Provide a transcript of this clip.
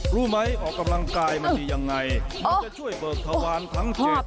รู้ไหมออกกำลังกายมันจะยังไงมันจะช่วยเบิกทวารทั้งจิต